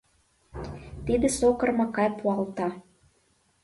Тиде Сокыр Макай пуалта...